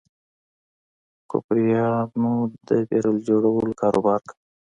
کوپریانو د بیرل جوړولو کاروبار کاوه.